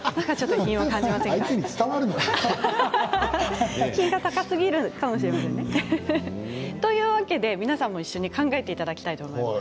品が高すぎるかもしれませんね。というわけで皆さんも考えていただきたいと思います。